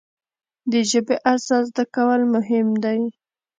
د ژبې اساس زده کول مهم دی.